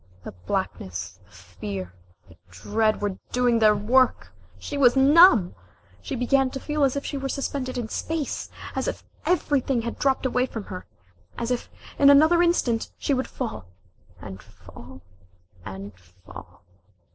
The blackness, the fear, the dread, were doing their work! She was numb! She began to feel as if she were suspended in space, as if everything had dropped away from her, as if in another instant she would fall and fall and fall